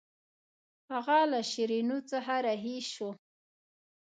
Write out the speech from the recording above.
هغه له شیرینو څخه رهي شو.